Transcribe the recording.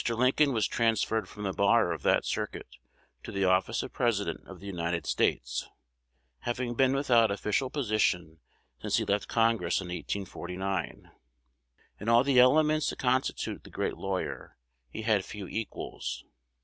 Lincoln was transferred from the bar of that circuit to the office of President of the United States, having been without official position since he left Congress in 1849. In all the elements that constitute the great lawyer, he had few equals.